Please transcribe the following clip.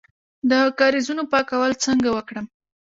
د کاریزونو پاکول څنګه وکړم؟